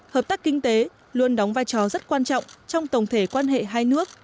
hợp tác kinh tế luôn đóng vai trò rất quan trọng trong tổng thể quan hệ hai nước